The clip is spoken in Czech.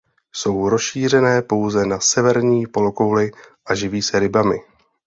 Jsou rozšířené pouze na severní polokouli a živí se rybami.